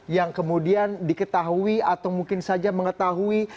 yang kemudian diketahui atau mungkin saja mengetahui